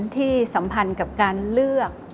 สัมพันธ์กับการเลือก